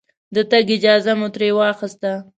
د تګ اجازه مو ترې واخسته.